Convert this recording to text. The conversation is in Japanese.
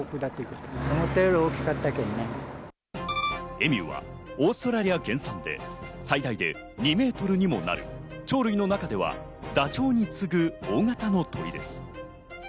エミューはオーストラリア原産で最大で２ｍにもなる、鳥類の中ではダチョウに次ぐ大型の鳥です。